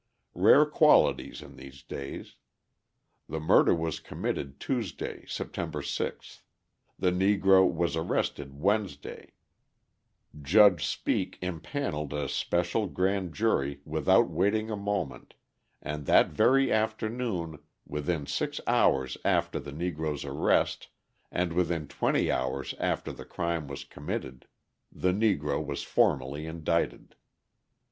Rare qualities in these days! The murder was committed Tuesday, September 6th, the Negro was arrested Wednesday, Judge Speake impanelled a special grand jury without waiting a moment, and that very afternoon, within six hours after the Negro's arrest and within twenty hours after the crime was committed, the Negro was formally indicted.